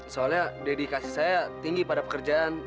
soalnya dedikasi saya tinggi pada pekerjaan